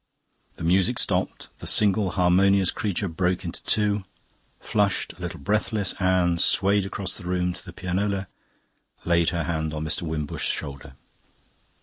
The music stopped. The single harmonious creature broke in two. Flushed, a little breathless, Anne swayed across the room to the pianola, laid her hand on Mr. Wimbush's shoulder.